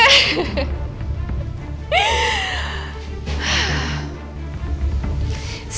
the sopak yang selalu bilang